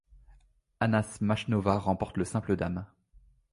Anna Smashnova remporte le simple dames.